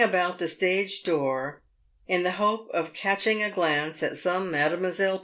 about the stage door in the hope of catching a glance at some Madlle.